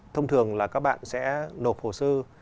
thông thường là các bạn sẽ nộp hồ sư